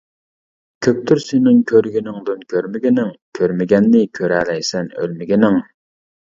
كۆپتۇر سېنىڭ كۆرگىنىڭدىن كۆرمىگىنىڭ، كۆرمىگەننى كۆرەلەيسەن ئۆلمىگىنىڭ.